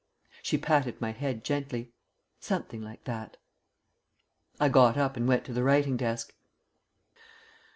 '" She patted my head gently. "Something like that." I got up and went to the writing desk.